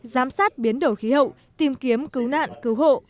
giám sát biến đổi khí hậu tìm kiếm cứu nạn cứu hộ